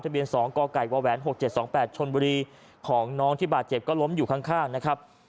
เบียน๒กกว๖๗๒๘ชนบุรีของน้องที่บาดเจ็บก็ล้มอยู่ข้างนะครับ